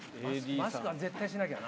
マスクは絶対しなきゃな。